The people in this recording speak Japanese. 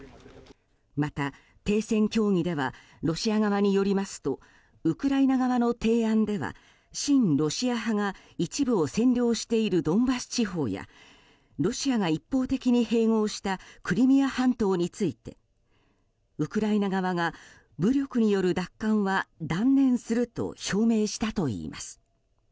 また、停戦協議ではロシア側によりますとウクライナ側の提案では親ロシア派が一部を占領しているドンバス地方やロシアが一方的に併合したクリミア半島についてウクライナ側が武力による奪還は断念すると表明したといいます。